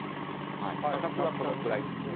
価格はこのくらい。